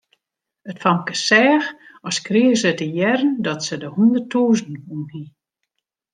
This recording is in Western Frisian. It famke seach as krige se te hearren dat se de hûnderttûzen wûn hie.